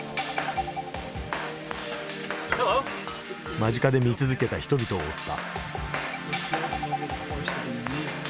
間近で見続けた人々を追った。